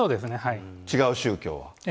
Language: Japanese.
違う宗教は。